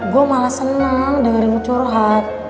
gue malah seneng dengerin lu curhat